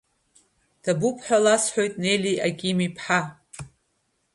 Ҭабуп ҳәа ласҳәоит Нелли Аким-иԥҳа.